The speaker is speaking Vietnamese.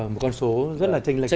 một con số rất là tranh lệch